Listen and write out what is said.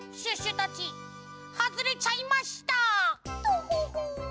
トホホ！